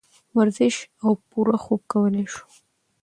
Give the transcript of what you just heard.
ورزش او پوره خوب کولے شو -